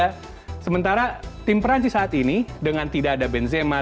nah sementara tim perancis saat ini dengan tidak ada benzema